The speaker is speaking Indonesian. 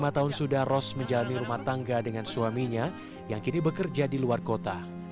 lima tahun sudah ros menjalani rumah tangga dengan suaminya yang kini bekerja di luar kota